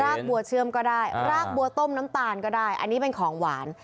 กบัวเชื่อมก็ได้รากบัวต้มน้ำตาลก็ได้อันนี้เป็นของหวาน